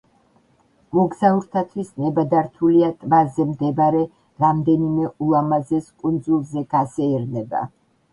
მოგზაურთათვის ნებადართულია ტბაზე მდებარე რამდენიმე ულამაზეს კუნძულზე გასეირნება.